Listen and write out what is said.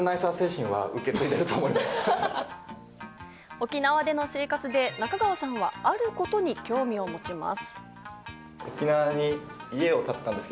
沖縄での生活で、中川さんはあることに興味を持ちます。